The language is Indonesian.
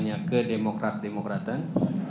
ternyata ke demokrat demokratan